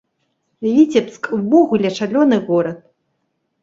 Віцебск увогуле шалёны горад.